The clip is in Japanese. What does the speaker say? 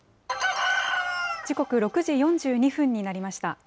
時刻６時４２分になりました。